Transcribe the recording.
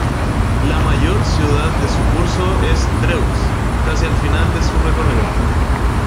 La mayor ciudad de su curso es Dreux, casi al final de su recorrido.